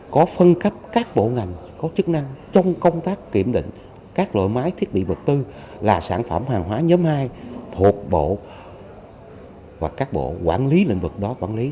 có phân cấp các bộ ngành có chức năng trong công tác kiểm định các loại máy thiết bị vật tư là sản phẩm hàng hóa nhóm hai thuộc bộ và các bộ quản lý lĩnh vực đó quản lý